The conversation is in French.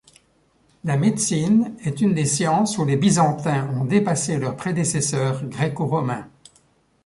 La médecine est une des sciences où les Byzantins ont dépassé leurs prédécesseurs gréco-romains.